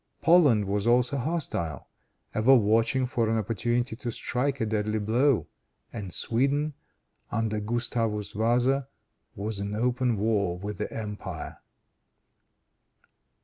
Poland was also hostile, ever watching for an opportunity to strike a deadly blow, and Sweden, under Gustavus Vasa, was in open war with the empire.